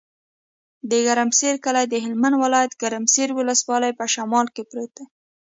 د ګرمسر کلی د هلمند ولایت، ګرمسر ولسوالي په شمال کې پروت دی.